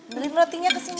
beli rotinya kesini